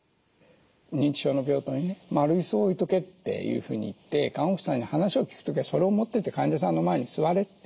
認知症の病棟にね丸椅子を置いとけっていうふうに言って看護師さんに話を聴く時はそれを持って行って患者さんの前に座れって。